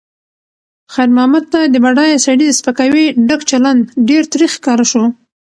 خیر محمد ته د بډایه سړي د سپکاوي ډک چلند ډېر تریخ ښکاره شو.